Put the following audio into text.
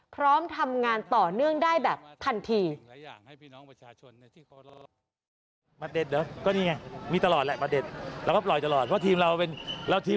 พร้อมทำงานต่อเนื่องได้แบบทันที